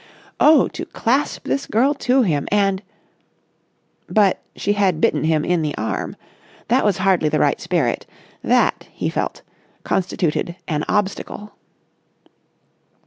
Oh, to clasp this girl to him and.... But she had bitten him in the arm. That was hardly the right spirit. That, he felt, constituted an obstacle.